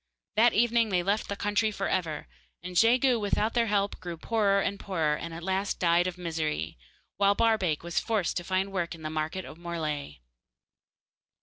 That evening they left the country for ever, and Jegu, without their help, grew poorer and poorer, and at last died of misery, while Barbaik was glad to find work in the market of Morlaix.